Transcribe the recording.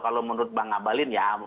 kalau menurut bang abalin ya